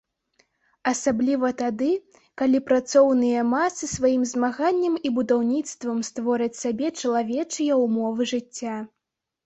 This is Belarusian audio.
Асабліва тады, калі працоўныя масы сваім змаганнем і будаўніцтвам створаць сабе чалавечыя ўмовы жыцця.